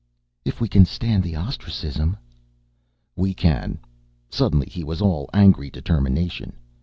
"If we can stand the ostracism." "We can." Suddenly he was all angry determination.